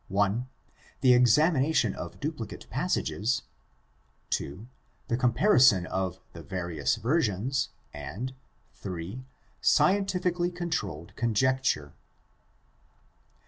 (i) the examination of duplicate passages; (2) the comparison of the various versions; and (3) scientifically controlled conjecture.